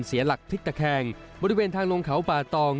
เสียหลักพลิกตะแคงบริเวณทางลงเขาป่าตอง